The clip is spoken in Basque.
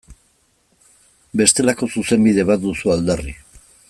Bestelako Zuzenbide bat duzu aldarri.